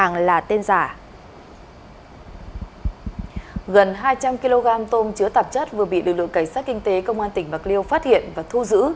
gần hai trăm linh kg tôm chứa tạp chất vừa bị lực lượng cảnh sát kinh tế công an tỉnh bạc liêu phát hiện và thu giữ